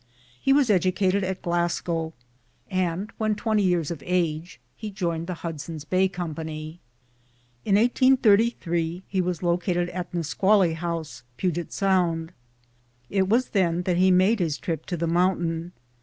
He was educated at Glasgow, and when twenty years of age he joined the Hudson's Bay Company. In 1833, he was located at Nisqually House, Puget Sound. It was then that he made his trip to the moun tain.